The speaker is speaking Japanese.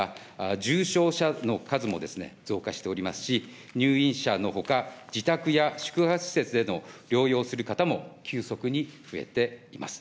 重症者の数も増加しておりますし、入院者のほか、自宅や宿泊施設での療養する方も急速に増えています。